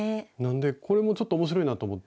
これもちょっと面白いなと思って。